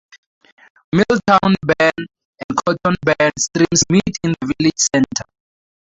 Milltown Burn and Cotton Burn streams meet in the village centre.